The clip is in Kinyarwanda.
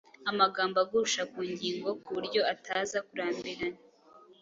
amagambo agusha ku ngingo ku buryo ataza kurambirana.